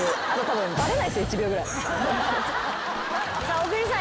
小栗さん